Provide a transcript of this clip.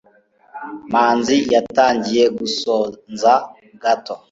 manzi yatangiye gusonza gato